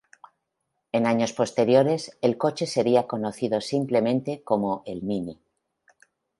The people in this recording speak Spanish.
En años posteriores, el coche sería conocido simplemente como el Mini.